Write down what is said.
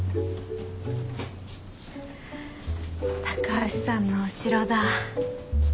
高橋さんのお城だ。